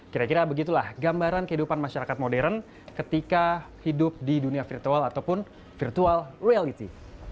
kira kira begitulah gambaran kehidupan masyarakat modern ketika hidup di dunia virtual ataupun virtual reality